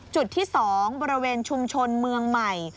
จุดที่๒บริเวณชุมชนเมืองใหม่